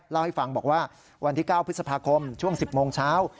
เล่าให้ฟังบอกว่าวันที่๙พฤษภาคมช่วง๑๐โมงเช้า